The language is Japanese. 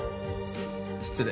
失礼。